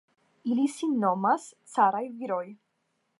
Ili sin nomas caraj viroj!